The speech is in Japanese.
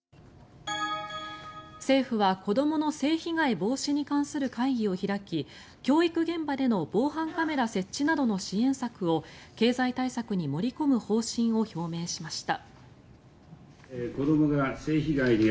政府は、子どもの性被害防止に関する会議を開き教育現場での防犯カメラ設置などの支援策を経済対策に盛り込む方針を表明しました。